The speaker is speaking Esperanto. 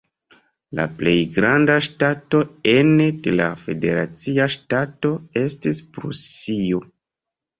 La plej granda ŝtato ene de la federacia ŝtato estis Prusio.